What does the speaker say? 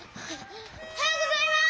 おはようございます！